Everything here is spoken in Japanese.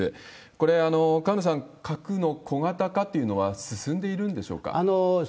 これ、河野さん、核の小型化というのは進んでいるんでしょうか？